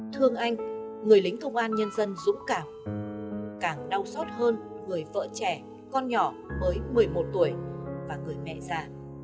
thương anh người lính công an nhân dân dũng cảm càng đau xót hơn người vợ trẻ con nhỏ mới một mươi một tuổi và người mẹ già